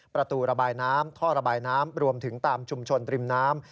ประตูระบายน้ำท่อระบายน้ำรวมถึงตามชุมชนริมน้ำ